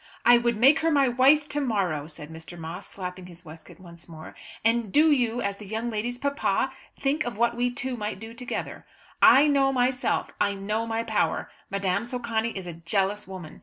"I would make her my wife to morrow," said Mr. Moss, slapping his waistcoat once more. "And do you, as the young lady's papa, think of what we two might do together. I know myself, I know my power. Madame Socani is a jealous woman.